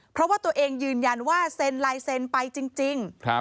เพราะว่าตัวเองยืนยันว่าเซ็นลายเซ็นไปจริง